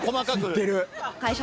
知ってる。